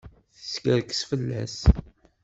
Teskerkes fell-as.